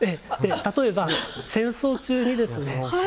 例えば戦争中にですね